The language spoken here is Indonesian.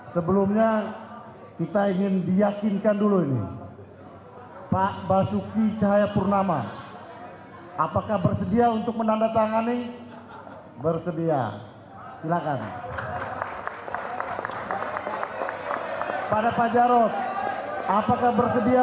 pada saat ini kita ingin memperbaiki perhitungan dari pusat pengurusan kehidupan